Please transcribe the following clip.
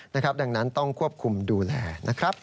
ดังนั้นต้องควบคุมดูแลนะครับ